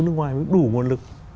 nước ngoài mới đủ nguồn lực